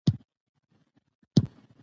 ترانه یې لا تر خوله نه وه وتلې